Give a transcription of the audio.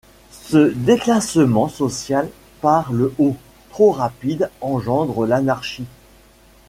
Ce déclassement social par le haut, trop rapide, engendre l'anarchie.